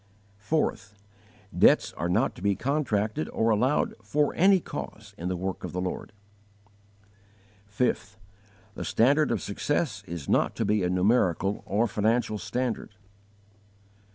4. Debts are not to be contracted or allowed for any cause in the work of the Lord. 5. The standard of success is not to be a numerical or financial standard.